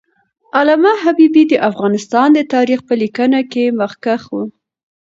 علامه حبیبي د افغانستان د تاریخ په لیکنه کې مخکښ و.